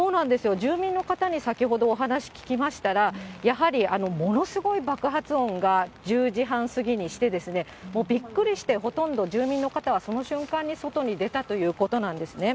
住民の方に先ほどお話聞きましたら、やはりものすごい爆発音が、１０時半過ぎにして、びっくりしてほとんど住民の方は、その瞬間に外に出たということなんですね。